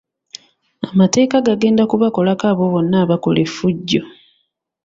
Amateeka gagenda kubakolako abo boona abakola efujjo.